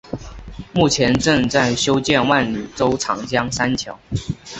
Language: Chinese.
目前正在修建万州长江三桥。